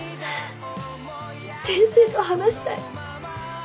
先生と話したい。